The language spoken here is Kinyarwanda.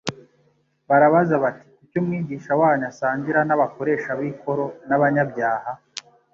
barabaza bati : "Kuki umwigisha wanyu asangira n'abakoresha b'ikoro n'abanyabyaha?"